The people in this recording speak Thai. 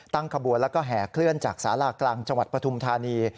ตั้งขบวนและแห่เคลื่อนจากศาลากลางจังหวัดปฐุมธานี